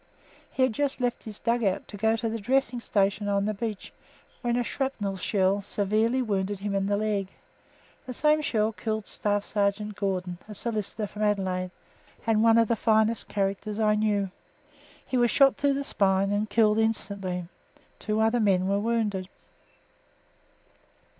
He had just left his dug out to go to the dressing station on the beach when a shrapnel shell severely wounded him in the leg. The same shell killed Staff Sergeant Gordon, a solicitor from Adelaide, and one of the finest characters I knew. He was shot through the spine and killed instantly. Two other men were wounded.